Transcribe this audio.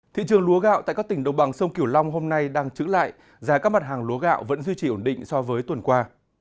thị trường lúa gạo tại các tỉnh đồng bằng sông kiểu long hôm nay đang trứng lại giá các mặt hàng lúa gạo vẫn duy trì ổn định so với tuần qua